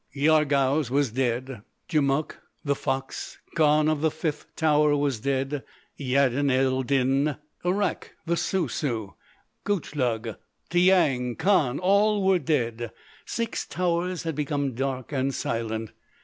Yarghouz was dead; Djamouk the Fox, Kahn of the Fifth Tower was dead; Yaddin ed Din, Arrak the Sou Sou, Gutchlug, Tiyang Khan, all were dead. Six Towers had become dark and silent.